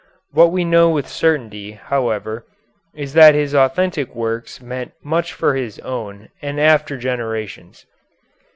What we know with certainty, however, is that his authentic works meant much for his own and after generations.